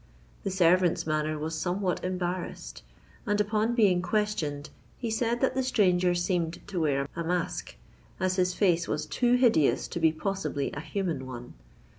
The servant's manner was somewhat embarrassed; and, upon being questioned, he said that the stranger seemed to wear a mask, as his face was too hideous to be possibly a human one.